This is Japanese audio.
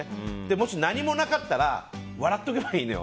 もし何もなかったら笑っておけばいいのよ。